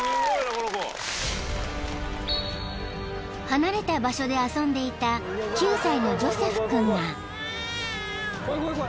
［離れた場所で遊んでいた９歳のジョセフ君が］